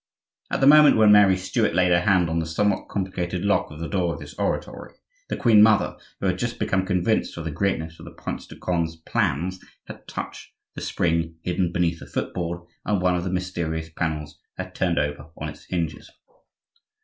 At the moment when Mary Stuart laid her hand on the somewhat complicated lock of the door of this oratory, the queen mother, who had just become convinced of the greatness of the Prince de Conde's plans, had touched the spring hidden beneath the foot board, and one of the mysterious panels had turned over on its hinges.